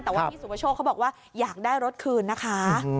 แต่ว่าพี่สุประโชคเขาบอกว่าอยากได้รถคืนนะคะ